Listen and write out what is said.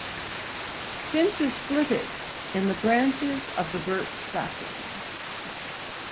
Finches flitted in the branches of the birch saplings.